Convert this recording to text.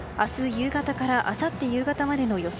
夕方からあさって夕方までの予想